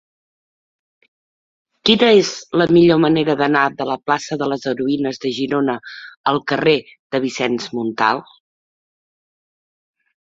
Quina és la millor manera d'anar de la plaça de les Heroïnes de Girona al carrer de Vicenç Montal?